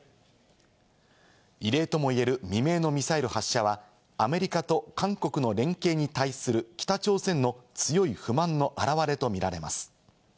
異例ともいえる未明のミサイル発射は、アメリカと韓国の連携に対する北朝鮮の強い不満の表れとみられます。